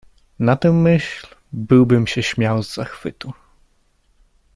"Na tę myśl byłbym się śmiał z zachwytu."